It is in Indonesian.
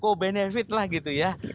oh benefit lah gitu ya